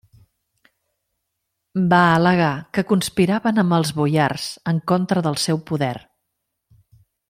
Va al·legar que conspiraven amb els boiars en contra del seu poder.